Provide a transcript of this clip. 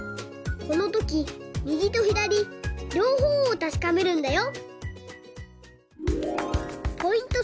このときみぎとひだりりょうほうをたしかめるんだよ！